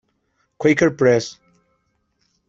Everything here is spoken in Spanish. Quaker Press.